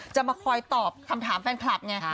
จะมาคอยตอบคำถามแฟนคลับไง